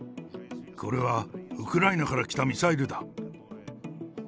これはウクライナから来たミサイルだ。